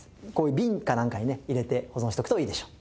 ビンか何かにね入れて保存しておくといいでしょう。